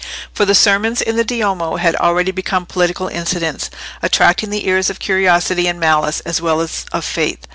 For the sermons in the Duomo had already become political incidents, attracting the ears of curiosity and malice, as well as of faith.